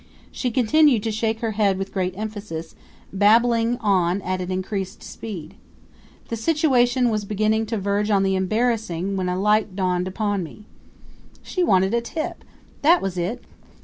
She continued to shake her head with great emphasis, babbling on at an increased speed. The situation was beginning to verge on the embarrassing when a light dawned on me. She wanted a tip, that was it!